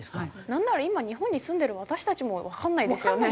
なんなら今日本に住んでる私たちもわかんないですよね。